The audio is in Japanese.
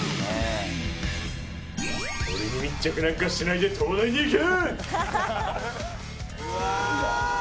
俺に密着なんかしてないで東大に行け！